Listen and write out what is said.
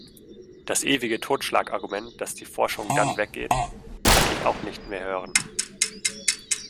Das ewige Totschlagargument, dass die Forschung dann weggeht, kann ich auch nicht mehr hören!